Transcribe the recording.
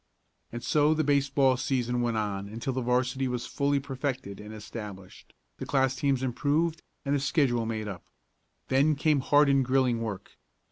And so the baseball season went on until the 'varsity was fully perfected and established, the class teams improved and the schedule made up. Then came hard and grilling work.